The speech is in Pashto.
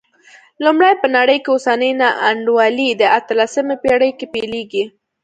لومړی، په نړۍ کې اوسنۍ نا انډولي د اتلسمې پېړۍ کې پیلېږي.